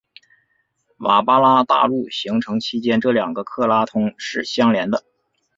瓦巴拉大陆形成期间这两个克拉通是相连的。